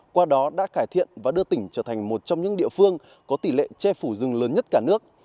qua đó đã cải thiện và đưa tỉnh trở thành một trong những địa phương có tỷ lệ che phủ rừng lớn nhất cả nước